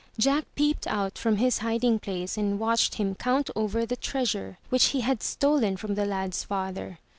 Jack peeped out from his hiding place and watched him count over the treasure, which he had stolen from the lad's father.